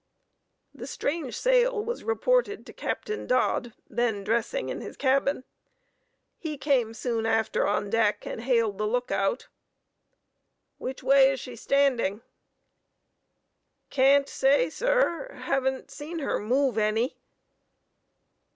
The strange sail was reported to Captain Dodd, then dressing in his cabin. He came soon after on deck and hailed the lookout: "Which way is she standing?" "Can't say, sir. Can't see her move any."